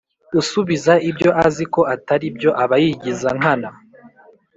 usubiza ibyo azi ko atari byo aba yigiza nkana